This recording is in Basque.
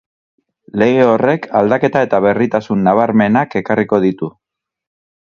Lege horrek aldaketa eta berritasun nabarmenak ekarriko ditu.